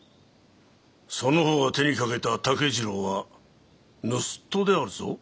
その方が手にかけた竹次郎は盗っ人であるぞ。